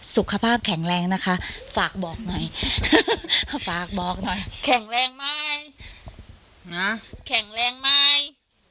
สุขภาพแข็งแรงนะคะฝากบอกหน่อยฝากบอกหน่อยแข็งแรงไหมแข็งแรงไหม